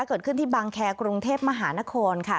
เกิดขึ้นที่บางแคร์กรุงเทพมหานครค่ะ